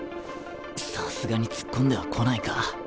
さすがに突っ込んではこないか。